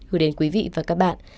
gửi đến quý vị và các bạn